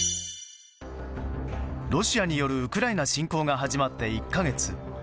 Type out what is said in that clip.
ロシアによるウクライナ侵攻が始まって１か月。